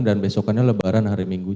dan besokannya lebaran hari minggunya